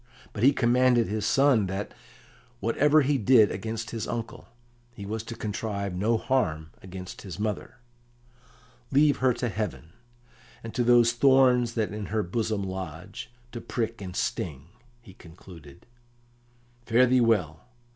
But he commanded his son that, whatever he did against his uncle, he was to contrive no harm against his mother. "Leave her to heaven, and to those thorns that in her bosom lodge, to prick and sting," he concluded. "Fare thee well!